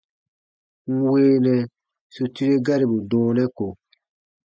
N weenɛ su tire garibu dɔɔnɛ ko.